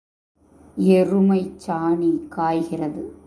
எருமைச் சாணி காய்கிறது.